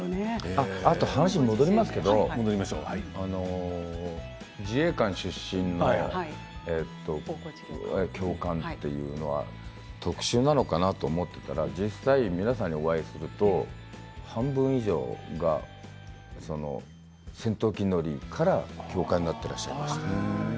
あと話戻りますけど自衛官出身の大河内教官というのは特殊なのかなと思っていたら実際、皆さんにお会いすると半分以上が戦闘機乗りから教官になっていらっしゃいました。